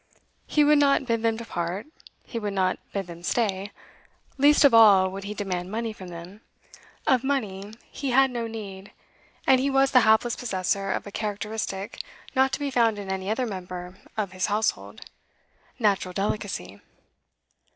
He would not bid them depart, he would not bid them stay, least of all would he demand money from them. Of money he had no need, and he was the hapless possessor of a characteristic not to be found in any other member of his household natural delicacy.